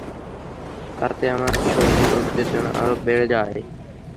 তাতে আমার শরীরের উত্তেজনা আরো বেড়ে যাই।